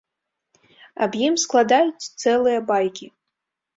Аб ім складаюць цэлыя байкі.